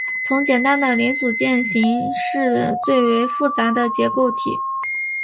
从简单的零组件型式最为复杂的结构体。